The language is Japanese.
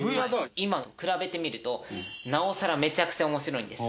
今と比べてみるとなおさらめちゃくちゃ面白いんです。